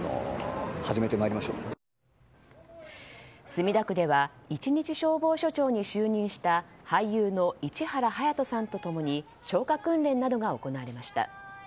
墨田区では一日消防署長に就任した俳優の市原隼人さんと共に消火訓練などが行われました。